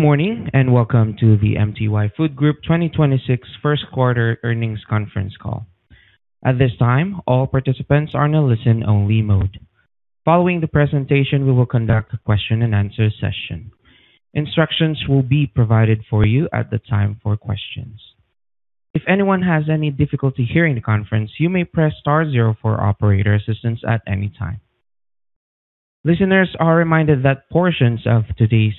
Good morning, and welcome to the MTY Food Group 2026 first quarter earnings conference call. At this time, all participants are in a listen-only mode. Following the presentation, we will conduct a question and answer session. Instructions will be provided for you at the time for questions. If anyone has any difficulty hearing the conference, you may press star zero for operator assistance at any time. Listeners are reminded that portions of today's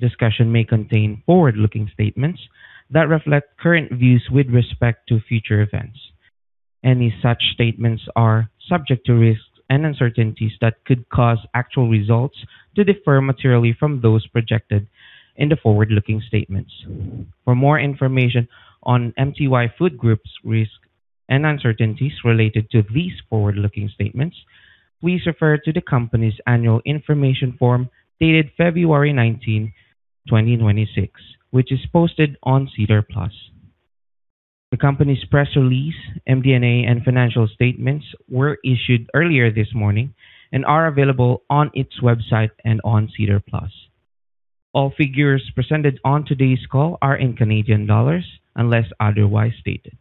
discussion may contain forward-looking statements that reflect current views with respect to future events. Any such statements are subject to risks and uncertainties that could cause actual results to differ materially from those projected in the forward-looking statements. For more information on MTY Food Group's risks and uncertainties related to these forward-looking statements, please refer to the company's annual information form dated February 19, 2026, which is posted on SEDAR+. The Company's press release, MD&A, and financial statements were issued earlier this morning and are available on its website and on SEDAR+. All figures presented on today's call are in Canadian dollars unless otherwise stated.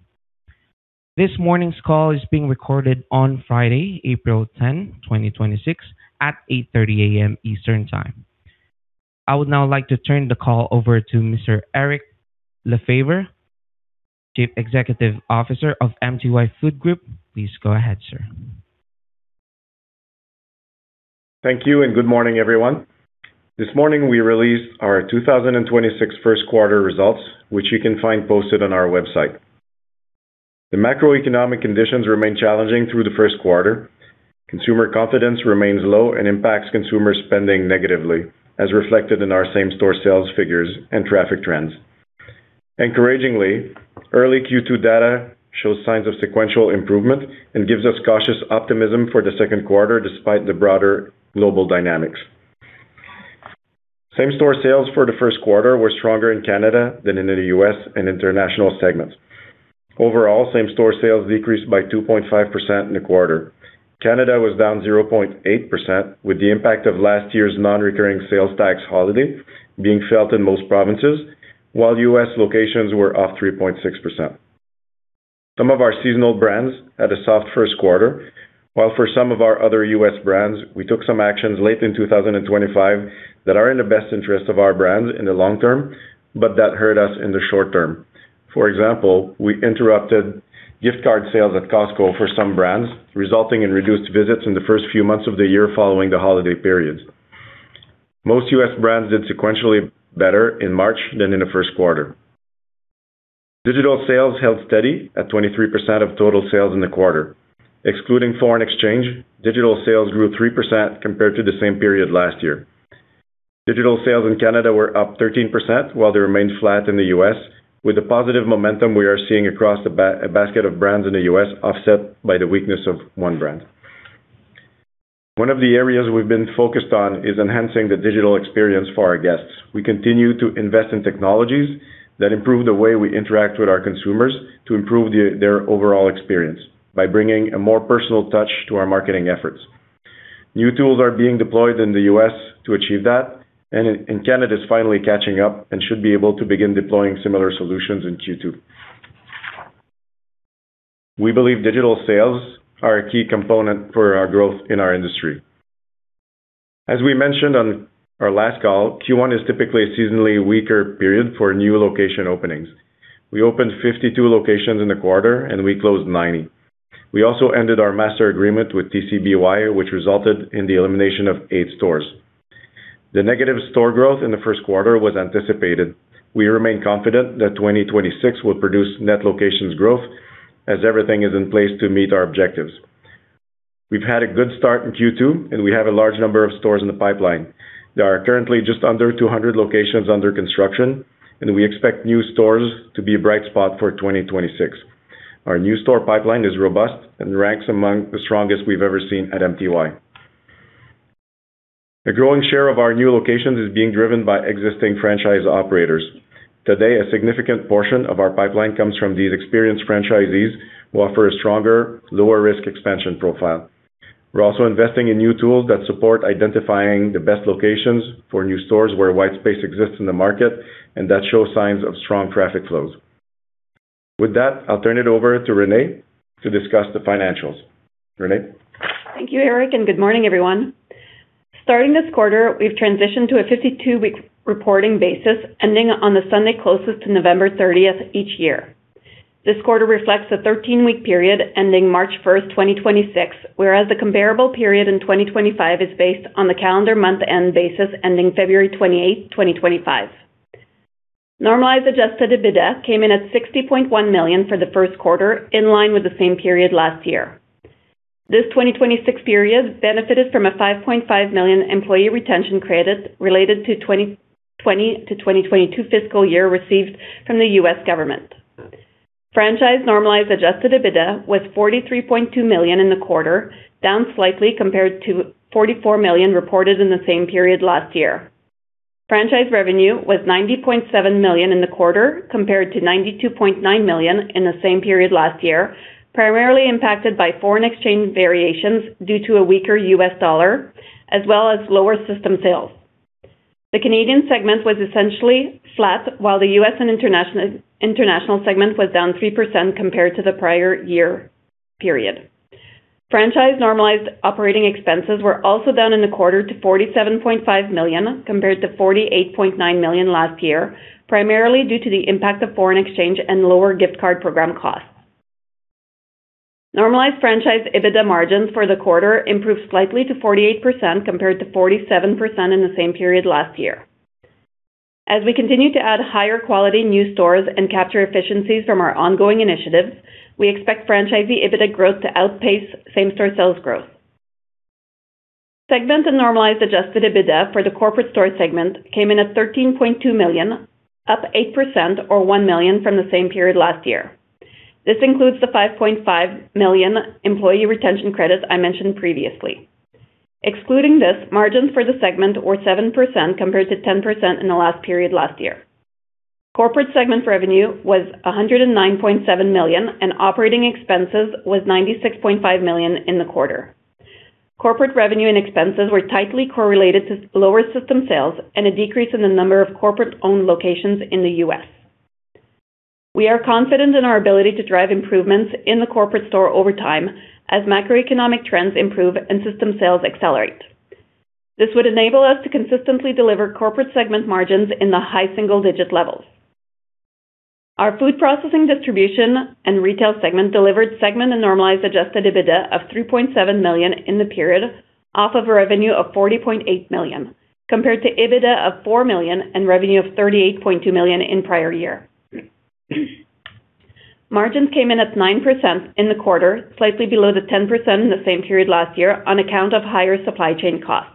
This morning's call is being recorded on Friday, April 10, 2026, at 8:30 A.M. Eastern Time. I would now like to turn the call over to Mr. Eric Lefebvre, Chief Executive Officer of MTY Food Group. Please go ahead, sir. Thank you, and good morning, everyone. This morning, we released our 2026 first-quarter results, which you can find posted on our website. The macroeconomic conditions remained challenging through the first quarter. Consumer confidence remains low and impacts consumer spending negatively, as reflected in our same-store sales figures and traffic trends. Encouragingly, early Q2 data shows signs of sequential improvement and gives us cautious optimism for the second quarter despite the broader global dynamics. Same-store sales for the first quarter were stronger in Canada than in the U.S. and international segments. Overall, same-store sales decreased by 2.5% in the quarter. Canada was down 0.8%, with the impact of last year's non-recurring sales tax holiday being felt in most provinces, while U.S. locations were off 3.6%. Some of our seasonal brands had a soft first quarter, while for some of our other U.S. brands, we took some actions late in 2025 that are in the best interest of our brands in the long term, but that hurt us in the short term. For example, we interrupted gift card sales at Costco for some brands, resulting in reduced visits in the first few months of the year following the holiday periods. Most U.S. brands did sequentially better in March than in the first quarter. Digital sales held steady at 23% of total sales in the quarter. Excluding foreign exchange, digital sales grew 3% compared to the same period last year. Digital sales in Canada were up 13%, while they remained flat in the U.S., with the positive momentum we are seeing across the basket of brands in the U.S. offset by the weakness of one brand. One of the areas we've been focused on is enhancing the digital experience for our guests. We continue to invest in technologies that improve the way we interact with our consumers to improve their overall experience by bringing a more personal touch to our marketing efforts. New tools are being deployed in the U.S. to achieve that, and Canada is finally catching up and should be able to begin deploying similar solutions in Q2. We believe digital sales are a key component for our growth in our industry. As we mentioned on our last call, Q1 is typically a seasonally weaker period for new location openings. We opened 52 locations in the quarter, and we closed 90. We also ended our master agreement with TCBY, which resulted in the elimination of eight stores. The negative store growth in the first quarter was anticipated. We remain confident that 2026 will produce net locations growth as everything is in place to meet our objectives. We've had a good start in Q2, and we have a large number of stores in the pipeline. There are currently just under 200 locations under construction, and we expect new stores to be a bright spot for 2026. Our new store pipeline is robust and ranks among the strongest we've ever seen at MTY. A growing share of our new locations is being driven by existing franchise operators. Today, a significant portion of our pipeline comes from these experienced franchisees who offer a stronger, lower-risk expansion profile. We're also investing in new tools that support identifying the best locations for new stores where white space exists in the market and that show signs of strong traffic flows. With that, I'll turn it over to Renee to discuss the financials. Renee? Thank you, Eric, and good morning, everyone. Starting this quarter, we've transitioned to a 52-week reporting basis ending on the Sunday closest to November 30th each year. This quarter reflects the 13-week period ending March 1st, 2026, whereas the comparable period in 2025 is based on the calendar month end basis ending February 28th, 2025. Normalized Adjusted EBITDA came in at 60.1 million for the first quarter, in line with the same period last year. This 2026 period benefited from a 5.5 million Employee Retention Credit related to 2020-2022 fiscal year received from the U.S. government. Franchise Normalized Adjusted EBITDA was 43.2 million in the quarter, down slightly compared to 44 million reported in the same period last year. Franchise revenue was 90.7 million in the quarter, compared to 92.9 million in the same period last year, primarily impacted by foreign exchange variations due to a weaker U.S. dollar as well as lower system sales. The Canadian segment was essentially flat while the U.S. and International segment was down 3% compared to the prior year period. Franchise normalized operating expenses were also down in the quarter to 47.5 million compared to 48.9 million last year, primarily due to the impact of foreign exchange and lower gift card program costs. Normalized franchise EBITDA margins for the quarter improved slightly to 48% compared to 47% in the same period last year. As we continue to add higher quality new stores and capture efficiencies from our ongoing initiatives, we expect franchisee EBITDA growth to outpace same-store sales growth. Segment and normalized adjusted EBITDA for the Corporate Store segment came in at 13.2 million, up 8% or 1 million from the same period last year. This includes the 5.5 million Employee Retention Credits I mentioned previously. Excluding this, margins for the segment were 7% compared to 10% in the last period last year. Corporate segment revenue was 109.7 million and Operating Expenses was 96.5 million in the quarter. Corporate revenue and expenses were tightly correlated to lower System Sales and a decrease in the number of corporate-owned locations in the U.S. We are confident in our ability to drive improvements in the Corporate Store over time as macroeconomic trends improve and System Sales accelerate. This would enable us to consistently deliver Corporate segment margins in the high single-digit levels. Our Food Processing, Distribution and Retail segment delivered Segment and Normalized Adjusted EBITDA of 3.7 million in the period off of a revenue of 40.8 million, compared to EBITDA of 4 million and revenue of 38.2 million in prior year. Margins came in at 9% in the quarter, slightly below the 10% in the same period last year on account of higher supply chain costs.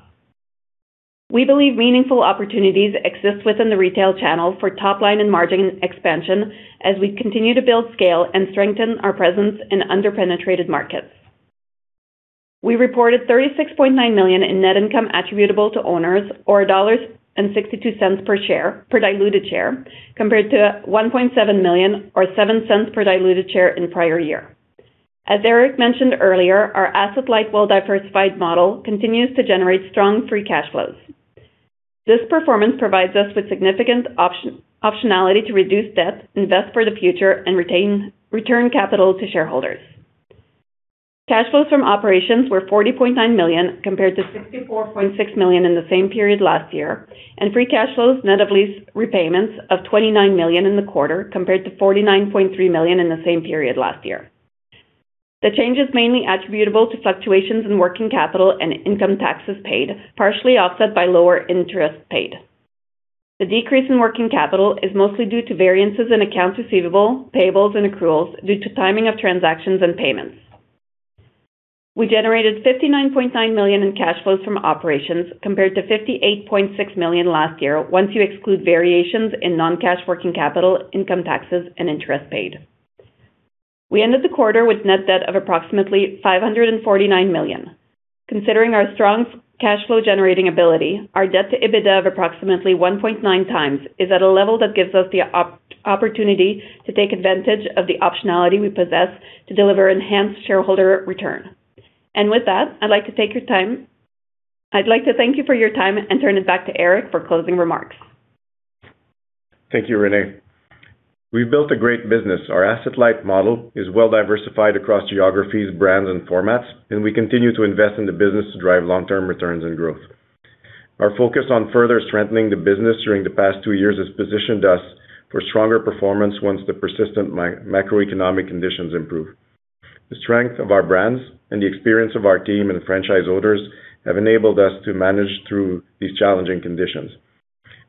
We believe meaningful opportunities exist within the retail channel for top-line and margin expansion as we continue to build scale and strengthen our presence in under-penetrated markets. We reported 36.9 million in net income attributable to owners or 1.62 dollars per share per diluted share, compared to 1.7 million or 0.07 per diluted share in prior year. As Eric mentioned earlier, our asset-light, well-diversified model continues to generate strong free cash flows. This performance provides us with significant optionality to reduce debt, invest for the future and return capital to shareholders. Cash flows from operations were 40.9 million compared to 64.6 million in the same period last year, and free cash flows net of lease repayments of 29 million in the quarter compared to 49.3 million in the same period last year. The change is mainly attributable to fluctuations in working capital and income taxes paid, partially offset by lower interest paid. The decrease in working capital is mostly due to variances in accounts receivable, payables and accruals due to timing of transactions and payments. We generated 59.9 million in cash flows from operations compared to 58.6 million last year once you exclude variations in non-cash working capital, income taxes and interest paid. We ended the quarter with net debt of approximately 549 million. Considering our strong cash flow generating ability, our debt to EBITDA of approximately 1.9x is at a level that gives us the opportunity to take advantage of the optionality we possess to deliver enhanced shareholder return. With that, I'd like to thank you for your time and turn it back to Eric for closing remarks. Thank you, Renee. We've built a great business. Our asset-light model is well diversified across geographies, brands and formats, and we continue to invest in the business to drive long-term returns and growth. Our focus on further strengthening the business during the past two years has positioned us for stronger performance once the persistent macroeconomic conditions improve. The strength of our brands and the experience of our team and franchise owners have enabled us to manage through these challenging conditions.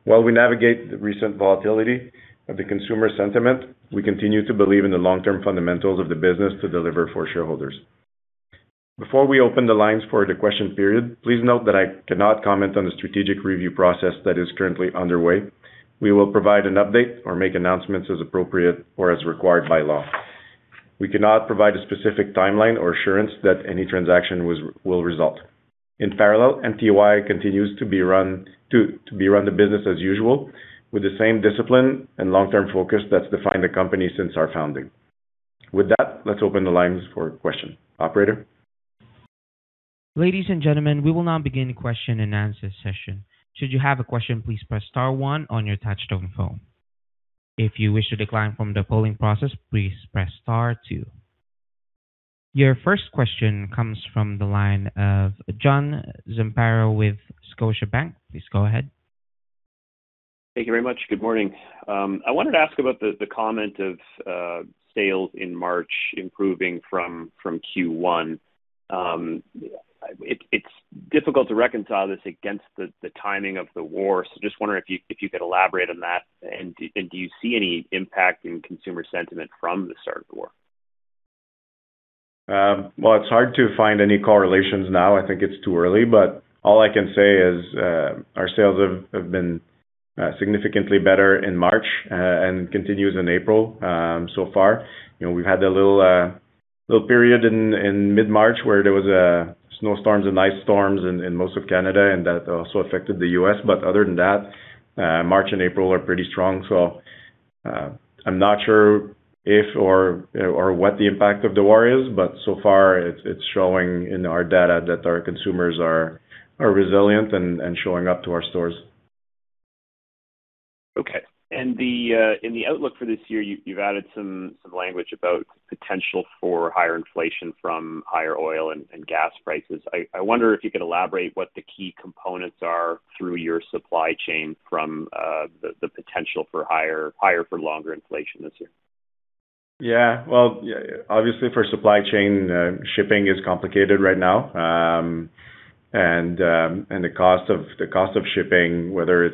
While we navigate the recent volatility of the consumer sentiment, we continue to believe in the long-term fundamentals of the business to deliver for shareholders. Before we open the lines for the question period, please note that I cannot comment on the strategic review process that is currently underway. We will provide an update or make announcements as appropriate or as required by law. We cannot provide a specific timeline or assurance that any transaction will result. In parallel, MTY continues to run the business as usual with the same discipline and long-term focus that's defined the company since our founding. With that, let's open the lines for questions. Operator? Ladies and gentlemen, we will now begin the question and answer session. Should you have a question, please press star one on your touch-tone phone. If you wish to decline from the polling process, please press star two. Your first question comes from the line of John Zamparo with Scotiabank. Please go ahead. Thank you very much. Good morning. I wanted to ask about the comment of sales in March improving from Q1. It's difficult to reconcile this against the timing of the war. Just wondering if you could elaborate on that. Do you see any impact in consumer sentiment from the start of the war? Well, it's hard to find any correlations now. I think it's too early, but all I can say is our sales have been significantly better in March and continues in April so far. We had a little period in mid-March where there was snowstorms and ice storms in most of Canada, and that also affected the U.S. Other than that, March and April are pretty strong. I'm not sure if or what the impact of the war is, but so far it's showing in our data that our consumers are resilient and showing up to our stores. Okay. In the outlook for this year, you've added some language about potential for higher inflation from higher oil and gas prices. I wonder if you could elaborate what the key components are through your supply chain from the potential for higher for longer inflation this year. Yeah. Well, obviously for supply chain, shipping is complicated right now. The cost of shipping, whether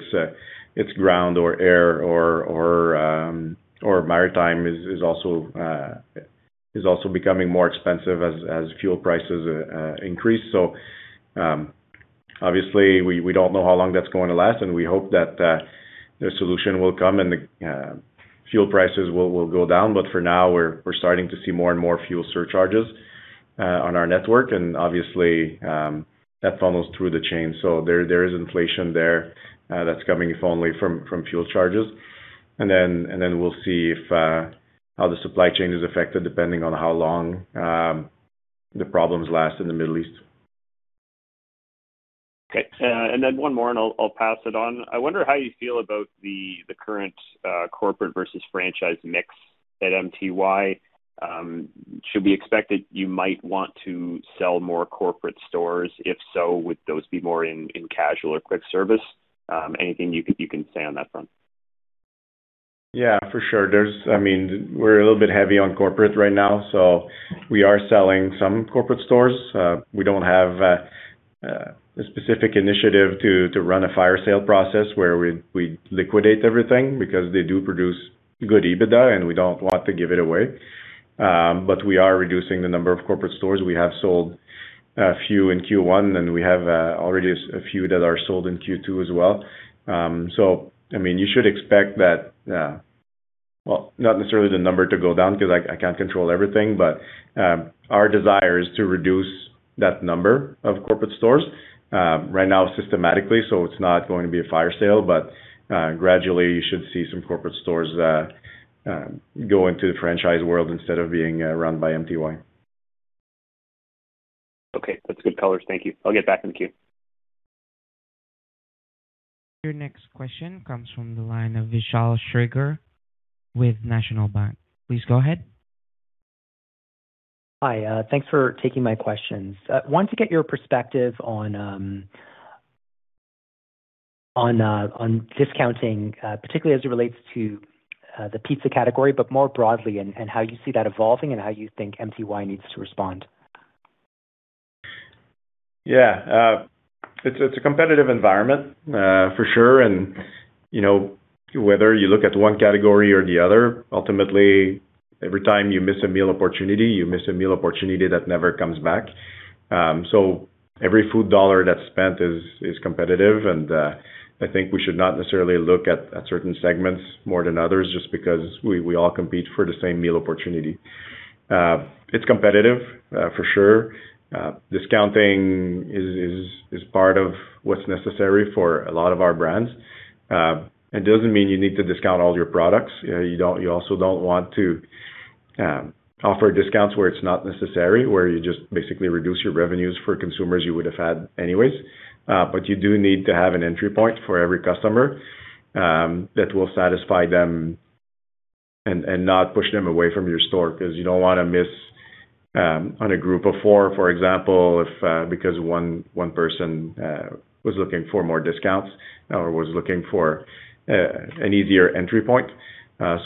it's ground or air or maritime, is also becoming more expensive as fuel prices increase. Obviously we don't know how long that's going to last, and we hope that the solution will come and the fuel prices will go down. For now, we're starting to see more and more fuel surcharges on our network, and obviously, that funnels through the chain. There is inflation there that's coming if only from fuel charges. We'll see how the supply chain is affected, depending on how long the problems last in the Middle East. Okay. One more, and I'll pass it on. I wonder how you feel about the current corporate versus franchise mix at MTY. Should we expect that you might want to sell more corporate stores? If so, would those be more in casual or quick service? Anything you can say on that front? Yeah, for sure. We're a little bit heavy on corporate right now, so we are selling some corporate stores. We don't have a specific initiative to run a fire sale process where we liquidate everything because they do produce good EBITDA and we don't want to give it away. We are reducing the number of corporate stores. We have sold a few in Q1, and we have already a few that are sold in Q2 as well. You should expect that, well, not necessarily the number to go down because I can't control everything, but our desire is to reduce that number of corporate stores right now systematically so it's not going to be a fire sale, but gradually you should see some corporate stores go into the franchise world instead of being run by MTY. Okay, that's good color. Thank you. I'll get back in the queue. Your next question comes from the line of Vishal Shreedhar with National Bank. Please go ahead. Hi. Thanks for taking my questions. I wanted to get your perspective on discounting, particularly as it relates to the pizza category, but more broadly in how you see that evolving and how you think MTY needs to respond. Yeah. It's a competitive environment, for sure, and whether you look at one category or the other, ultimately, every time you miss a meal opportunity, you miss a meal opportunity that never comes back. Every food dollar that's spent is competitive, and I think we should not necessarily look at certain segments more than others just because we all compete for the same meal opportunity. It's competitive, for sure. Discounting is part of what's necessary for a lot of our brands. It doesn't mean you need to discount all your products. You also don't want to offer discounts where it's not necessary, where you just basically reduce your revenues for consumers you would have had anyways. You do need to have an entry point for every customer that will satisfy them and not push them away from your store because you don't want to miss on a group of four, for example, because one person was looking for more discounts or was looking for an easier entry point.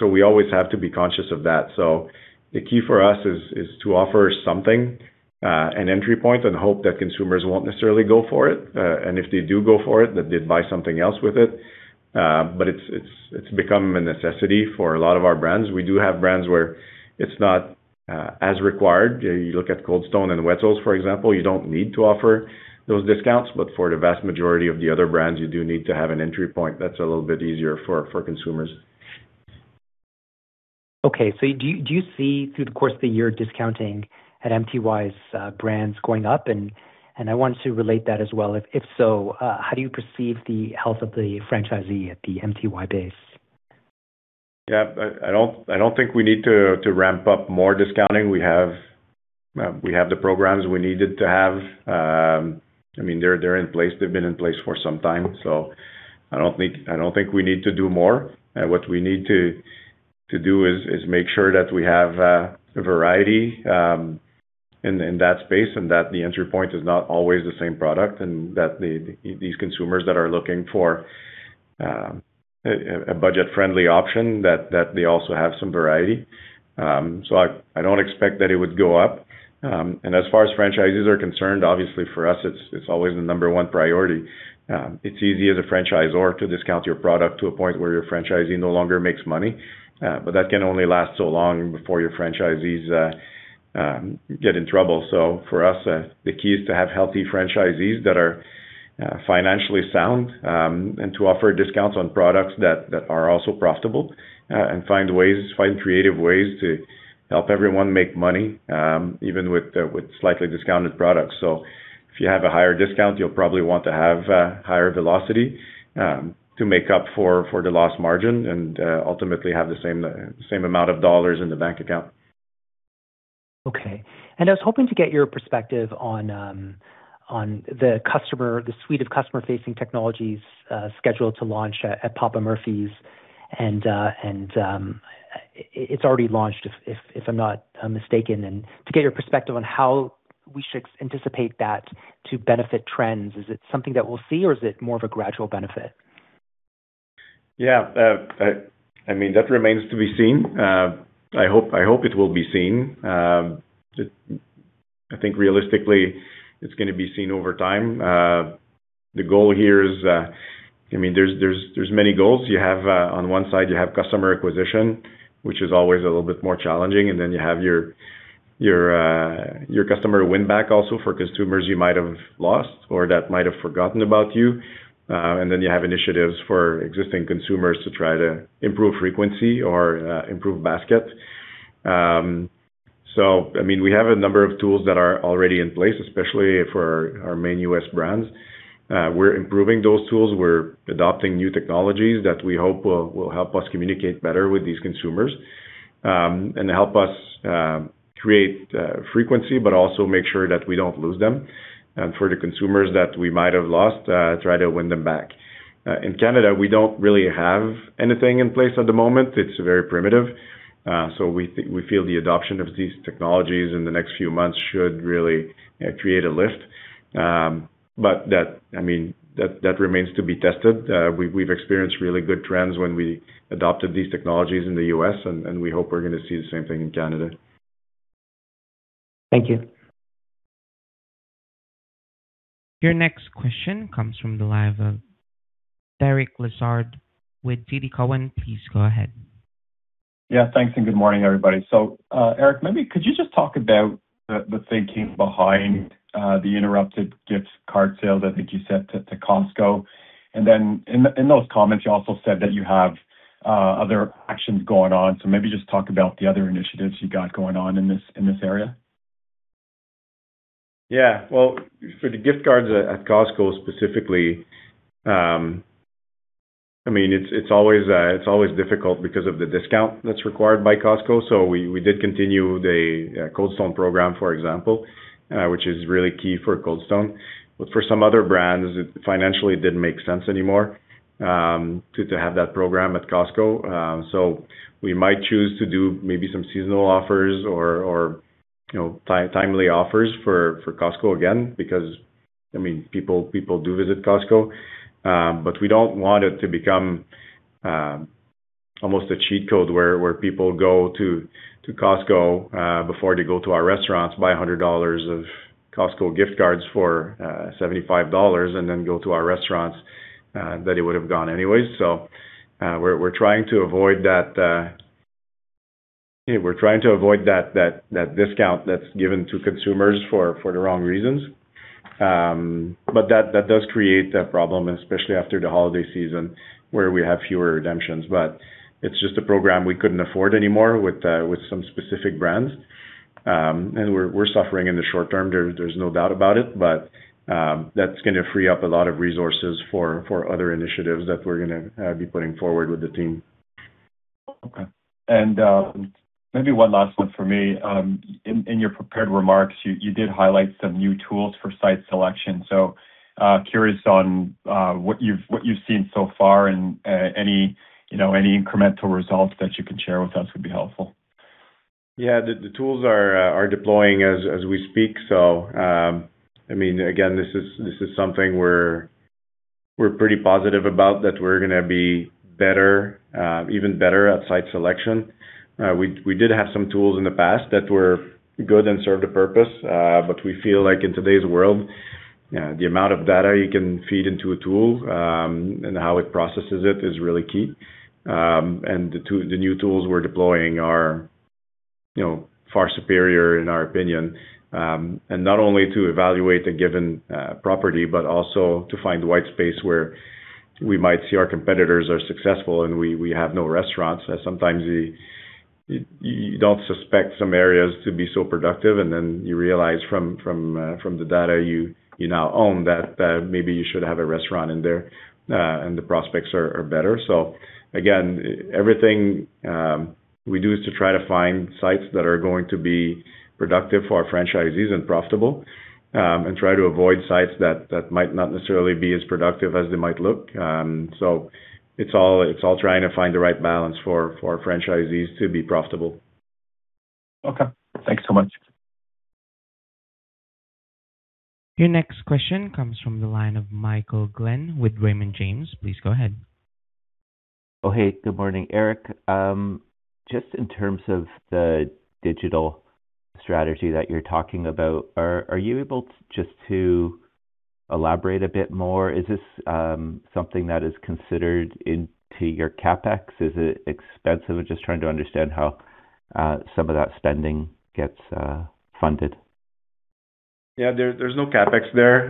We always have to be conscious of that. The key for us is to offer something, an entry point, and hope that consumers won't necessarily go for it. If they do go for it, that they buy something else with it. It's become a necessity for a lot of our brands. We do have brands where it's not as required. You look at Cold Stone and Wetzel's, for example. You don't need to offer those discounts, but for the vast majority of the other brands, you do need to have an entry point that's a little bit easier for consumers. Okay. Do you see, through the course of the year, discounting at MTY's brands going up? I want to relate that as well, if so, how do you perceive the health of the franchisee at the MTY base? Yeah, I don't think we need to ramp up more discounting. We have the programs we needed to have. They're in place. They've been in place for some time, so I don't think we need to do more. What we need to do is make sure that we have a variety in that space and that the entry point is not always the same product, and that these consumers that are looking for a budget-friendly option, that they also have some variety. I don't expect that it would go up. As far as franchises are concerned, obviously for us, it's always the number one priority. It's easy as a franchisor to discount your product to a point where your franchisee no longer makes money. That can only last so long before your franchisees get in trouble. For us, the key is to have healthy franchisees that are financially sound, and to offer discounts on products that are also profitable, and find creative ways to help everyone make money, even with slightly discounted products. If you have a higher discount, you'll probably want to have higher velocity to make up for the lost margin and ultimately have the same amount of dollars in the bank account. Okay. I was hoping to get your perspective on the suite of customer-facing technologies scheduled to launch at Papa Murphy's. It's already launched, if I'm not mistaken, and to get your perspective on how we should anticipate that to benefit trends, is it something that we'll see or is it more of a gradual benefit? Yeah. That remains to be seen. I hope it will be seen. I think realistically it's going to be seen over time. There's many goals. On one side you have customer acquisition, which is always a little bit more challenging, and then you have your customer win-back also for consumers you might have lost or that might have forgotten about you. You have initiatives for existing consumers to try to improve frequency or improve basket. We have a number of tools that are already in place, especially for our main U.S. brands. We're improving those tools. We're adopting new technologies that we hope will help us communicate better with these consumers, and help us create frequency, but also make sure that we don't lose them. For the consumers that we might have lost, try to win them back. In Canada, we don't really have anything in place at the moment. It's very primitive. We feel the adoption of these technologies in the next few months should really create a lift. That remains to be tested. We've experienced really good trends when we adopted these technologies in the U.S., and we hope we're going to see the same thing in Canada. Thank you. Your next question comes from the line of Derek Lessard with TD Cowen. Please go ahead. Yeah, thanks and good morning, everybody. Eric, maybe could you just talk about the thinking behind the interrupted gift card sales, I think you said to Costco? In those comments, you also said that you have other actions going on. Maybe just talk about the other initiatives you got going on in this area. Yeah. Well, for the gift cards at Costco specifically, it's always difficult because of the discount that's required by Costco. We did continue the Cold Stone program, for example, which is really key for Cold Stone. For some other brands, it financially didn't make sense anymore to have that program at Costco. We might choose to do maybe some seasonal offers or timely offers for Costco again, because people do visit Costco. We don't want it to become almost a cheat code where people go to Costco, before they go to our restaurants, buy 100 dollars of Costco gift cards for 75 dollars and then go to our restaurants, that they would have gone anyways. We're trying to avoid that discount that's given to consumers for the wrong reasons. That does create a problem, and especially after the holiday season where we have fewer redemptions. It's just a program we couldn't afford anymore with some specific brands. We're suffering in the short term, there's no doubt about it, but that's going to free up a lot of resources for other initiatives that we're gonna be putting forward with the team. Okay. Maybe one last one from me. In your prepared remarks, you did highlight some new tools for site selection. Curious on what you've seen so far and any incremental results that you can share with us would be helpful. Yeah. The tools are deploying as we speak. Again, this is something we're pretty positive about, that we're gonna be even better at site selection. We did have some tools in the past that were good and served a purpose. We feel like in today's world, the amount of data you can feed into a tool, and how it processes it is really key. The new tools we're deploying are far superior in our opinion, not only to evaluate the given property, but also to find white space where we might see our competitors are successful and we have no restaurants. Sometimes you don't suspect some areas to be so productive, and then you realize from the data you now own that maybe you should have a restaurant in there, and the prospects are better. Again, everything we do is to try to find sites that are going to be productive for our franchisees and profitable, and try to avoid sites that might not necessarily be as productive as they might look. It's all trying to find the right balance for franchisees to be profitable. Okay. Thanks so much. Your next question comes from the line of Michael Glen with Raymond James. Please go ahead. Hey, good morning. Eric, just in terms of the digital strategy that you're talking about, are you able just to elaborate a bit more? Is this something that is considered into your CapEx? Is it expensive? I'm just trying to understand how some of that spending gets funded. Yeah, there's no CapEx there.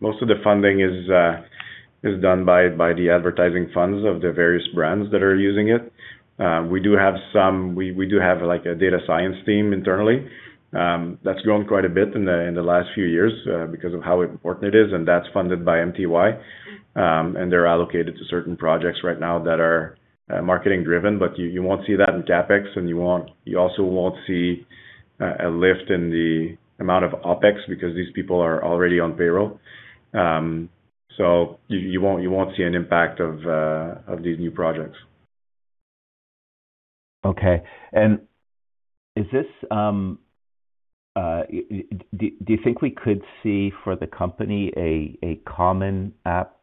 Most of the funding is done by the advertising funds of the various brands that are using it. We do have a data science team internally. That's grown quite a bit in the last few years because of how important it is, and that's funded by MTY. They're allocated to certain projects right now that are marketing driven. You won't see that in CapEx, and you also won't see a lift in the amount of OpEx because these people are already on payroll. You won't see an impact of these new projects. Okay. Do you think we could see for the company a common app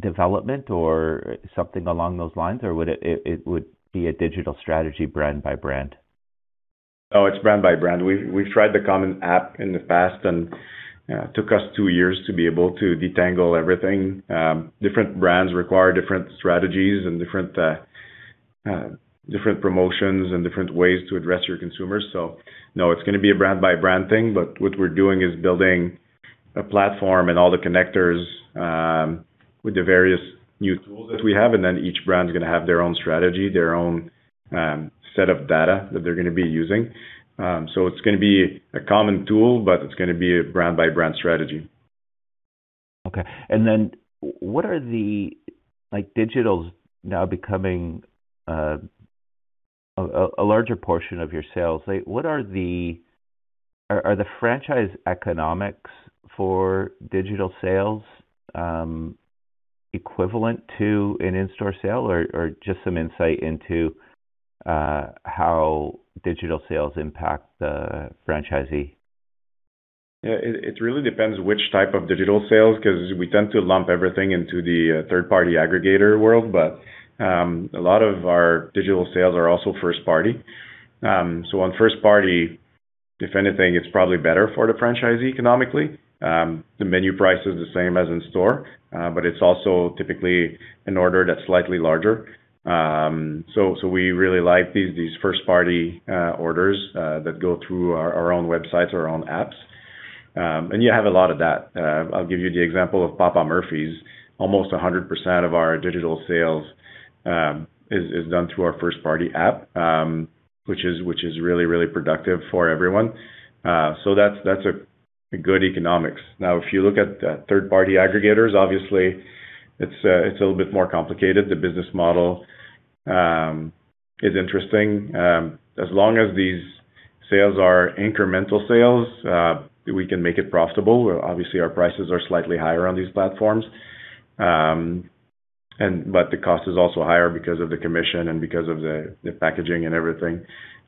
development or something along those lines, or it would be a digital strategy brand by brand? Oh, it's brand by brand. We've tried the common app in the past, and it took us two years to be able to detangle everything. Different brands require different strategies and different promotions and different ways to address your consumers. So no, it's going to be a brand-by-brand thing, but what we're doing is building a platform and all the connectors with the various new tools that we have, and then each brand is going to have their own strategy, their own set of data that they're going to be using. So it's going to be a common tool, but it's going to be a brand-by-brand strategy. Okay. Digital's now becoming a larger portion of your sales. Are the franchise economics for digital sales equivalent to an in-store sale, or just some insight into how digital sales impact the franchisee? Yeah. It really depends which type of digital sales, because we tend to lump everything into the third-party aggregator world. A lot of our digital sales are also first-party. On first-party, if anything, it's probably better for the franchisee economically. The menu price is the same as in-store, but it's also typically an order that's slightly larger. We really like these first-party orders that go through our own websites, our own apps. You have a lot of that. I'll give you the example of Papa Murphy's. Almost 100% of our digital sales is done through our first-party app, which is really, really productive for everyone. That's a good economics. Now, if you look at third-party aggregators, obviously it's a little bit more complicated. The business model is interesting. As long as these sales are incremental sales, we can make it profitable. Obviously, our prices are slightly higher on these platforms. The cost is also higher because of the commission and because of the packaging and everything.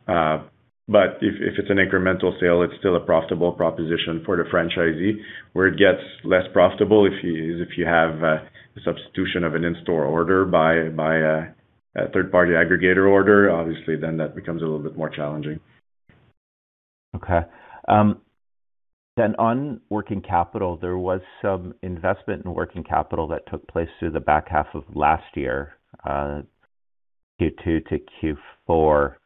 If it's an incremental sale, it's still a profitable proposition for the franchisee. Where it gets less profitable is if you have a substitution of an in-store order by a third-party aggregator order. Obviously, then that becomes a little bit more challenging. Okay. On working capital, there was some investment in working capital that took place through the back half of last year, Q2-Q4. Are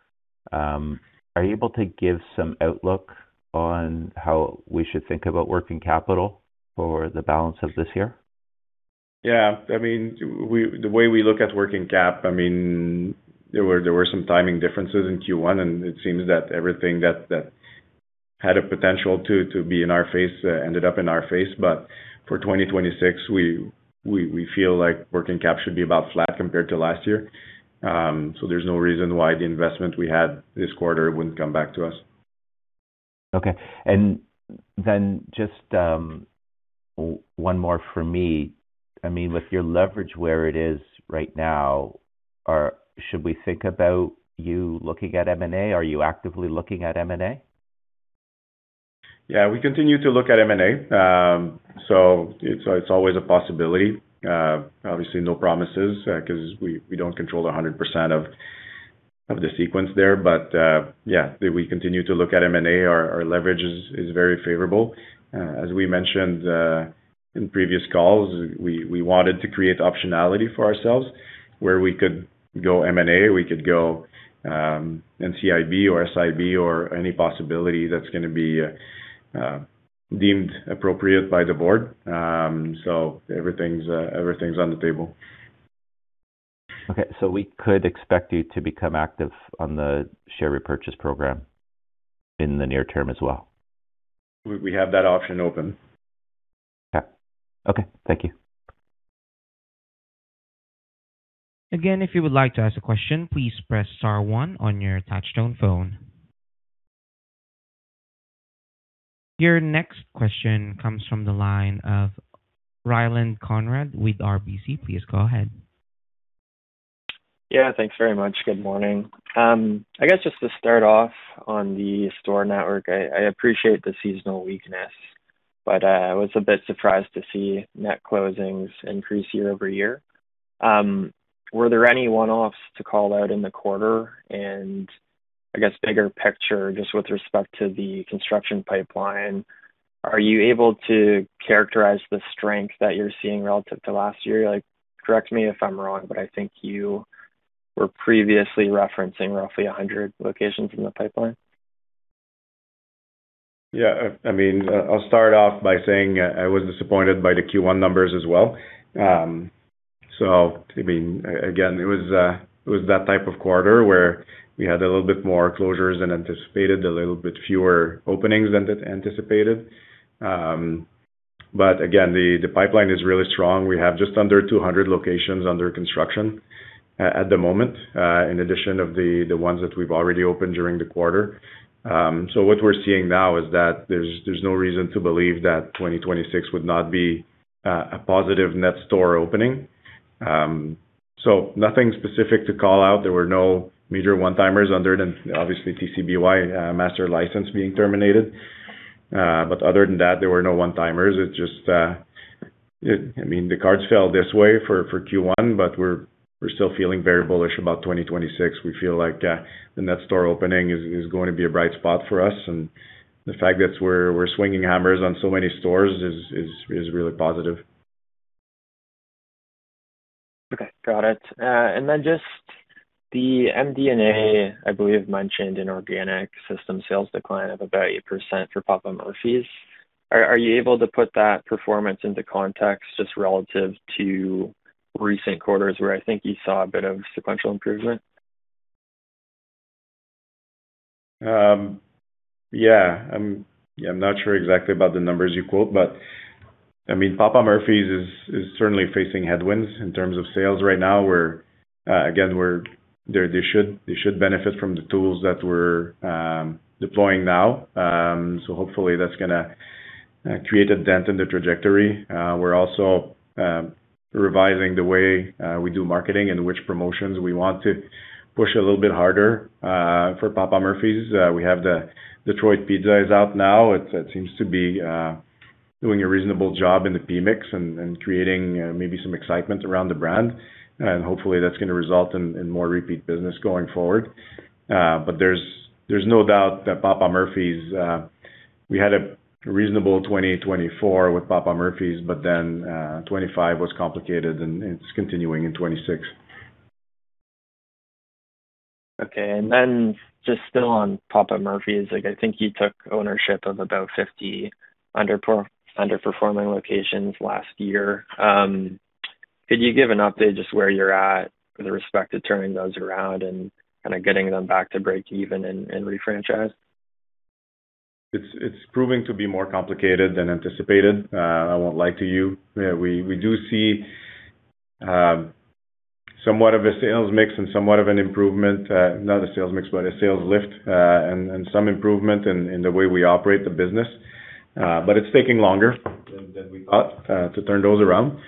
you able to give some outlook on how we should think about working capital for the balance of this year? Yeah. The way we look at working cap, there were some timing differences in Q1, and it seems that everything that had a potential to be in our face ended up in our face. For 2026, we feel like working cap should be about flat compared to last year. There's no reason why the investment we had this quarter wouldn't come back to us. Okay. Just one more from me. With your leverage where it is right now, should we think about you looking at M&A? Are you actively looking at M&A? Yeah, we continue to look at M&A. It's always a possibility. Obviously, no promises because we don't control the 100% of the sequence there. Yeah, we continue to look at M&A. Our leverage is very favorable. As we mentioned in previous calls, we wanted to create optionality for ourselves where we could go M&A, we could go NCIB or SIB or any possibility that's going to be deemed appropriate by the Board. Everything's on the table. Okay. We could expect you to become active on the share repurchase program in the near term as well? We have that option open. Yeah. Okay. Thank you. Again, if you would like to ask a question, please press star one on your touch-tone phone. Your next question comes from the line of Ryland Conrad with RBC. Please go ahead. Yeah, thanks very much. Good morning. I guess just to start off on the store network, I appreciate the seasonal weakness, but I was a bit surprised to see net closings increase year-over-year. Were there any one-offs to call out in the quarter? I guess bigger picture, just with respect to the construction pipeline, are you able to characterize the strength that you're seeing relative to last year? Correct me if I'm wrong, but I think you were previously referencing roughly 100 locations in the pipeline. Yeah. I'll start off by saying I was disappointed by the Q1 numbers as well. Again, it was that type of quarter where we had a little bit more closures than anticipated, a little bit fewer openings than anticipated. Again, the pipeline is really strong. We have just under 200 locations under construction at the moment, in addition of the ones that we've already opened during the quarter. What we're seeing now is that there's no reason to believe that 2026 would not be a positive net store opening. Nothing specific to call out. There were no major one-timers other than, obviously, TCBY master license being terminated. Other than that, there were no one-timers. The cards fell this way for Q1, but we're still feeling very bullish about 2026. We feel like the net store opening is going to be a bright spot for us, and the fact that we're swinging hammers on so many stores is really positive. Okay, got it. Just the MD&A, I believe mentioned an organic system sales decline of about 8% for Papa Murphy's. Are you able to put that performance into context, just relative to recent quarters where I think you saw a bit of sequential improvement? Yeah. I'm not sure exactly about the numbers you quote, but Papa Murphy's is certainly facing headwinds in terms of sales right now, where again, they should benefit from the tools that we're deploying now. Hopefully, that's going to create a dent in the trajectory. We're also revising the way we do marketing and which promotions we want to push a little bit harder for Papa Murphy's. We have the Detroit pizza is out now. It seems to be doing a reasonable job in the PMI and creating maybe some excitement around the brand. Hopefully, that's going to result in more repeat business going forward. We had a reasonable 2024 with Papa Murphy's, but then 2025 was complicated and it's continuing in 2026. Okay, just still on Papa Murphy's. I think you took ownership of about 50 underperforming locations last year. Could you give an update just where you're at with respect to turning those around and getting them back to breakeven and re-franchise? It's proving to be more complicated than anticipated. I won't lie to you. We do see somewhat of a sales mix and somewhat of an improvement, not a sales mix, but a sales lift, and some improvement in the way we operate the business. It's taking longer than we thought to turn those around.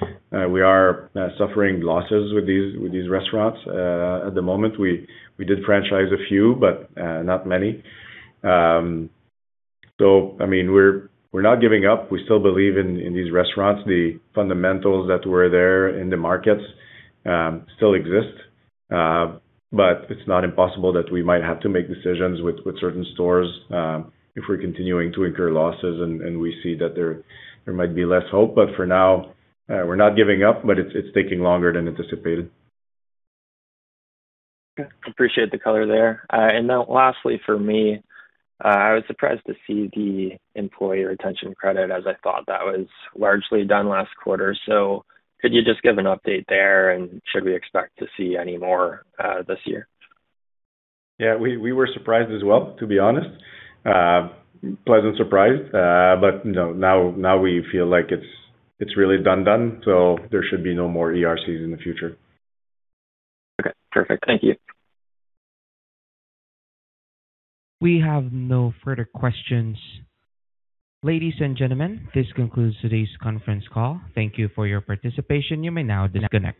We are suffering losses with these restaurants at the moment. We did franchise a few, but not many. We're not giving up. We still believe in these restaurants. The fundamentals that were there in the markets still exist. It's not impossible that we might have to make decisions with certain stores if we're continuing to incur losses and we see that there might be less hope. For now, we're not giving up, but it's taking longer than anticipated. Okay. I appreciate the color there. Now lastly for me, I was surprised to see the Employee Retention Credit, as I thought that was largely done last quarter. Could you just give an update there, and should we expect to see any more this year? Yeah, we were surprised as well, to be honest. Pleasant surprise. No, now we feel like it's really done, so there should be no more ERCs in the future. Okay, perfect. Thank you. We have no further questions. Ladies and gentlemen, this concludes today's conference call. Thank you for your participation. You may now disconnect.